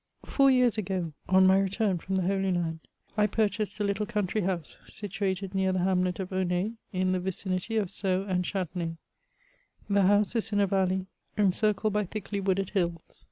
Four years ago, on my return from the Holy Land» I purchased a little country house, situated near the hamlet of Aulnay, in the vicinity of Sceaox and Chatenay. The house is in a valley encircled by thickly wooded hills.